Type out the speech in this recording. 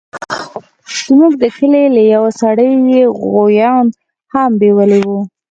زموږ د کلي له يوه سړي يې غويان هم بيولي وو.